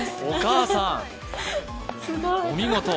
お母さん、お見事。